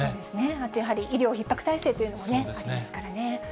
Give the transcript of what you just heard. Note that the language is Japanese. あとやはり、医療ひっ迫体制というのもありますからね。